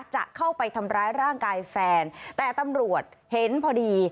จะเข้าไปทำร้ายร่างกายแฟนแต่ตำรวจเห็นพอดี